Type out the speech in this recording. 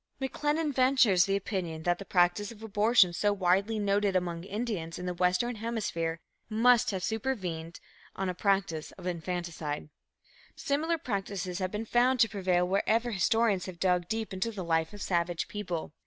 McLennan ventures the opinion that the practice of abortion so widely noted among Indians in the Western Hemisphere, "must have supervened on a practice of infanticide." Similar practices have been found to prevail wherever historians have dug deep into the life of savage people.